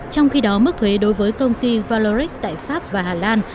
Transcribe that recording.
trong khi đó mức thuế đối với công ty valorex tại pháp và hà lan